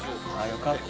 よかった。